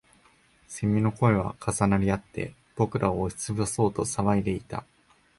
蝉の声は重なりあって、僕らを押しつぶそうと騒いでいた